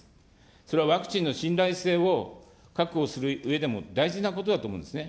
それはワクチンの信頼性を確保するうえでも大事なことだと思うんですね。